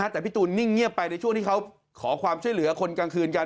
แต่พี่ตูนนิ่งเงียบไปในช่วงที่เขาขอความช่วยเหลือคนกลางคืนกัน